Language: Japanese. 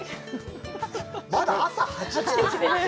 まだ朝８時ですよ！